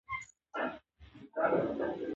قاعده په پوهېدو کښي مرسته کوي.